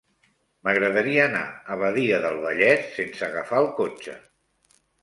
M'agradaria anar a Badia del Vallès sense agafar el cotxe.